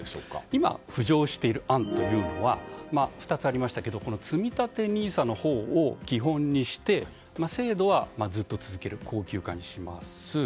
今、浮上している案はＮＩＳＡ２つありましたけれどもつみたてＮＩＳＡを基本にして制度はずっと続ける恒久化にします